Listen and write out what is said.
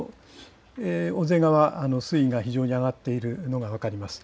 小瀬川、水位が非常に非常に上がっているのが分かります。